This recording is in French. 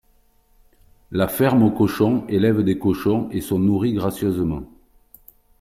La ferme aux cochons élèvent des cochons et sont nourris gracieusement